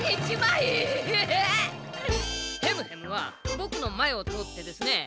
ヘムヘムはボクの前を通ってですね